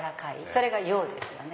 それが用ですよね。